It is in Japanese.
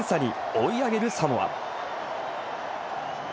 追い上げるサモア。